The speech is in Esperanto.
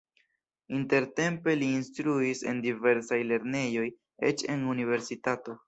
Intertempe li instruis en diversaj lernejoj, eĉ en universitato.